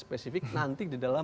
spesifik nanti di dalam